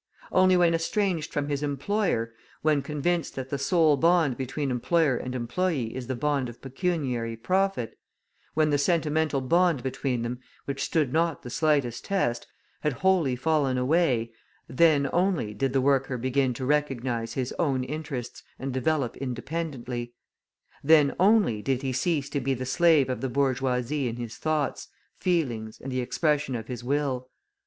Only when estranged from his employer, when convinced that the sole bond between employer and employe is the bond of pecuniary profit, when the sentimental bond between them, which stood not the slightest test, had wholly fallen away, then only did the worker begin to recognise his own interests and develop independently; then only did he cease to be the slave of the bourgeoisie in his thoughts, feelings, and the expression of his will.